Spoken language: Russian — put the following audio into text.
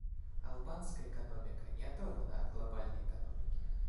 Албанская экономика не оторвана от глобальной экономики.